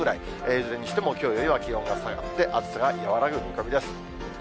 いずれにしても、きょうよりは気温が下がって、暑さが和らぐ見込みです。